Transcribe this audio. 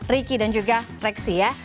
ricky dan juga reksi ya